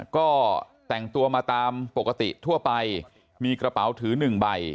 ก็แต่งตัวมาตามปกติทั่วไปมีกระเป๋าถือ๑ใบ